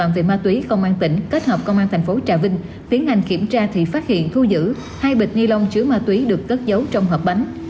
về ma túy công an tỉnh kết hợp công an thành phố trà vinh tiến hành kiểm tra thì phát hiện thu giữ hai bịch ni lông chứa ma túy được cất giấu trong hộp bánh